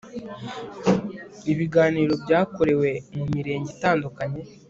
Ibiganiro byakorewe mu mirenge itandukanye